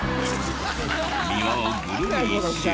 庭をぐるり１周。